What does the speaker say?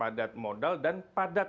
padat modal dan padat